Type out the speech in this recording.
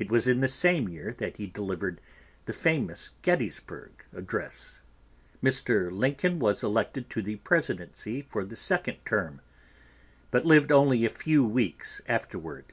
It was in this same year that he delivered the famous Gettysburg Address. Mr. Lincoln was elected to the Presidency for the second term, but lived only a few weeks afterward.